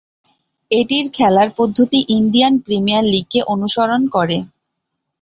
এটির খেলার পদ্ধতি ইন্ডিয়ান প্রিমিয়ার লীগকে অনুসরণ করে।